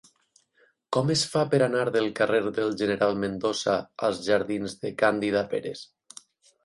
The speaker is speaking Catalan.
Com es fa per anar del carrer del General Mendoza als jardins de Càndida Pérez?